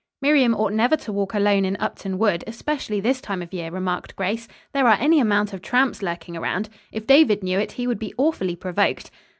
"Miriam ought never to walk, alone, in Upton Wood, especially this time of year," remarked Grace. "There are any amount of tramps lurking around. If David knew it he would be awfully provoked."